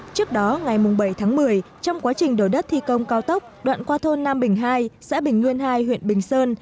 trước đó ngày bảy tháng một mươi trong quá trình đổi đất thi công cao tốc đoạn qua thôn nam bình hai xã bình nguyên hai huyện bình sơn